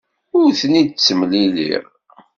Ur ten-id-ttemliliɣ.